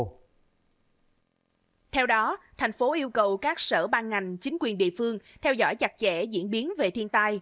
theo đó thành phố yêu cầu các sở ban ngành chính quyền địa phương theo dõi chặt chẽ diễn biến về thiên tai